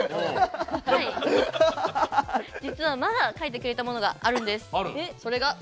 実はまだ描いてくれたものがあるんです。